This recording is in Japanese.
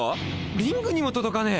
⁉リングにも届かねえ！